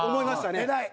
偉い。